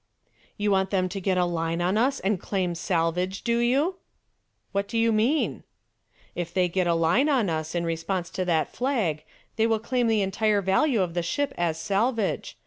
"You want them to get a line on us and claim salvage, do you?" "What do you mean?" "If they get a line on us in response to that flag they will claim the entire value of the ship as salvage.